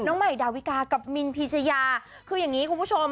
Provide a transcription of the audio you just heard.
ใหม่ดาวิกากับมินพีชยาคืออย่างนี้คุณผู้ชม